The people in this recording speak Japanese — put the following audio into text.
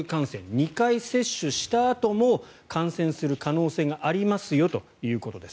２回接種したあとも感染する可能性がありますよということです。